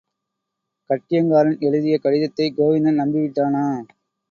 கட்டியங்காரன் எழுதிய கடிதத்தைக் கோவிந்தன் நம்பி விட்டானா!